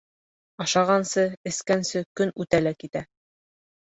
Ашағансы-эскәнсе көн үтә лә китә.